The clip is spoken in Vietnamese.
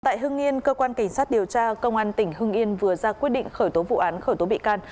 tại hưng yên cơ quan cảnh sát điều tra công an tỉnh hưng yên vừa ra quyết định khởi tố vụ án khởi tố bị can